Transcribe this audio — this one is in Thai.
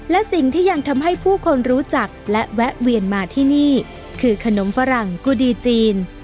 และสิ่งที่ยังทำให้ผู้คนรู้จักและแวะเวียนมาที่นี่คือขนมฝรั่งกุดีจีน